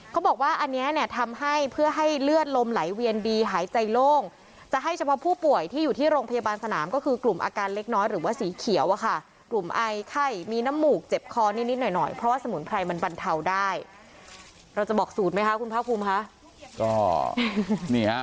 เขาบอกว่าอันนี้เนี่ยทำให้เพื่อให้เลือดลมไหลเวียนดีหายใจโล่งจะให้เฉพาะผู้ป่วยที่อยู่ที่โรงพยาบาลสนามก็คือกลุ่มอาการเล็กน้อยหรือว่าสีเขียวอะค่ะกลุ่มไอไข้มีน้ำหมูกเจ็บคอนิดหน่อยหน่อยเพราะว่าสมุนไพรมันบรรเทาได้เราจะบอกสูตรไหมคะคุณภาคภูมิค่ะ